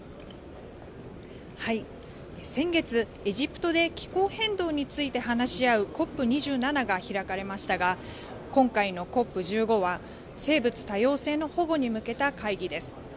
先月、エジプトで気候変動について話し合うＣＯＰ２７が開かれましたが、今回のＣＯＰ１５は、生物多様性の保護に向けた会議です。